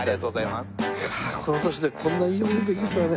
いやこの年でこんないい思いできるとはね。